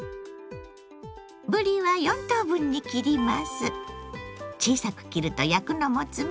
ぶりは４等分に切ります。